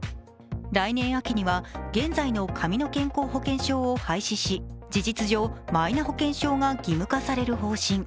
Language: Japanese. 来年秋には現在の紙の保険証を廃止し、事実上、マイナ保険証が義務化される方針。